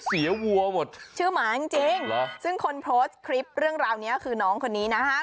วัวหมดชื่อหมาจริงจริงเหรอซึ่งคนโพสต์คลิปเรื่องราวนี้คือน้องคนนี้นะฮะ